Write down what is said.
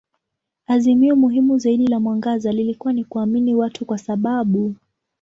Azimio muhimu zaidi la mwangaza lilikuwa ni kuamini watu kwa sababu.